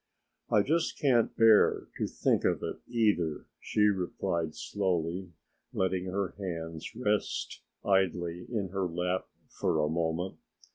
"I just can't bear to think of it either," she replied slowly, letting her hands rest idly in her lap for a moment.